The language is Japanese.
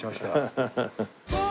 ハハハハ。